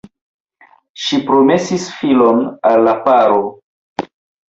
Ŝi promesis filon al la paro.